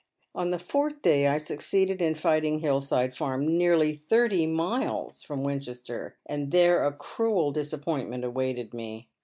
On the fourth day I succeeded in finding Hill side Farm, nearly thirty miles from Winchester, and there a cruel disappointment awaited me.